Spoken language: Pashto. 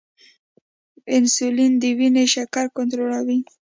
انسولین د وینې شکر کنټرولوي